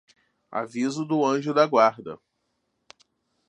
Aviso do anjo da guarda